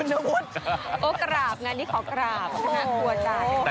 โอ้กราบไงนี่ขอกราบ